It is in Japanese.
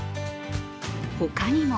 他にも